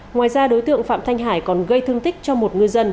ngoài ra đối tượng phạm thanh hải còn gây thương tích cho một ngư dân